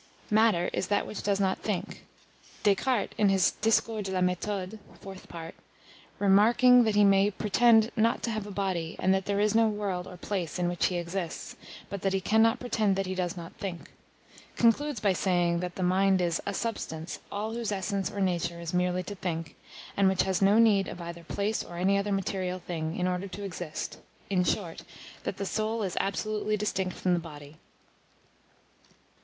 Matter is that which does not think. Descartes, in his Discours de la Méthode (4th part), remarking that he may pretend "not to have a body, and that there is no world or place in which he exists, but that he cannot pretend that he does not think," concludes by saying that the mind is "a substance, all whose essence or nature is merely to think, and which has no need of either place or any other material thing, in order to exist;" in short, that "the soul is absolutely distinct from the body."